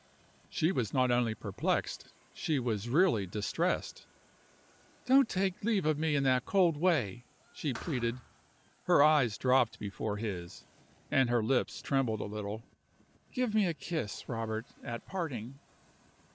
She was not only perplexed; she was really distressed. "Don't take leave of me in that cold way!" she pleaded. Her eyes dropped before his, and her lips trembled a little. "Give me a kiss, Robert, at parting."